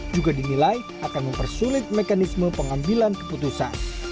juga dinilai akan mempersulit mekanisme pengambilan keputusan